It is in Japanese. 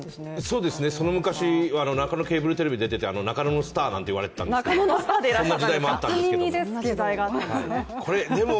そうですね、その昔中野ケーブルテレビに出ていて中野のスターなんていわれていたんですけどそんな時代もあったんですけれども。